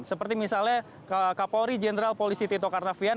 seperti misalnya kapolri jenderal polisi tito karnavian